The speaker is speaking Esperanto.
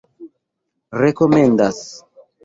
rekomendas